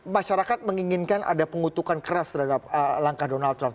masyarakat menginginkan ada pengutukan keras terhadap langkah donald trump